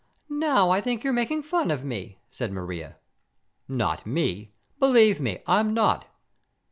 "Now I think you're making fun of me," said Maria. "Not me. Believe me, I'm not!